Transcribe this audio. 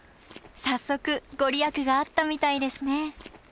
早速御利益があったみたいですね。